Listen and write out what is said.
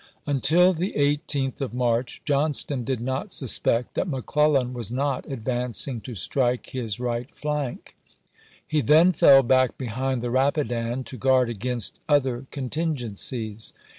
Until the 18th of March Johnston did not suspect that McClellan was not advancing to strike his right flank ; he then fell back behind the Rapidan, to guard against other contingencies.